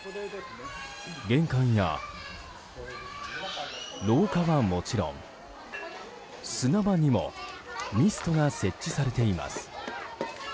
玄関や、廊下はもちろん砂場にもミストが設置されています。